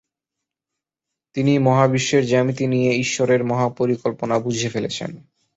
তিনি মহাবিশ্বের জ্যামিতি নিয়ে ঈশ্বরের মহাপরিকল্পনা বুঝে ফেলেছেন।